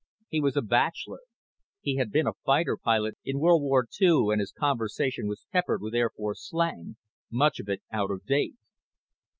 He was a bachelor. He had been a fighter pilot in World War II and his conversation was peppered with Air Force slang, much of it out of date.